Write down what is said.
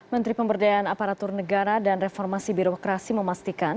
menteri pemberdayaan aparatur negara dan reformasi birokrasi memastikan